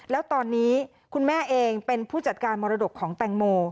แล้วตอนนี้คุณแม่เองเป็นผู้จัดการมรดกของแตงโม